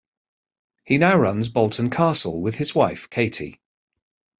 He now runs Bolton Castle with his wife Katie.